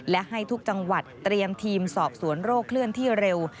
และให้ทุกจังหวัดเตรียมทีมสอบสวนโรคเคลื่อนที่เร็ว